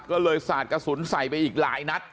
ก็เลยสาดกระสุนใส่ไปอีกหลายนัด